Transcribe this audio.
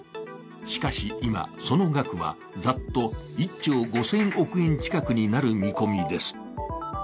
しかし今、その額は、ざっと１兆５０００億円近くになる見込みです。